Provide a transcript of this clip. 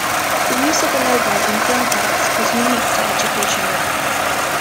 The use of the logo in film credits was unique to Educational.